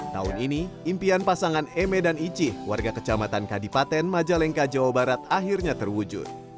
tahun ini impian pasangan eme dan icih warga kecamatan kadipaten majalengka jawa barat akhirnya terwujud